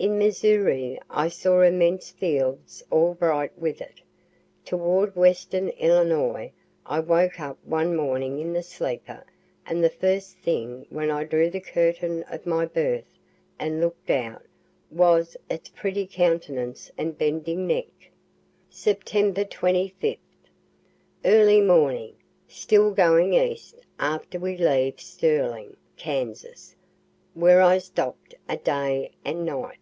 In Missouri I saw immense fields all bright with it. Toward western Illinois I woke up one morning in the sleeper and the first thing when I drew the curtain of my berth and look'd out was its pretty countenance and bending neck. Sept. 25th. Early morning still going east after we leave Sterling, Kansas, where I stopp'd a day and night.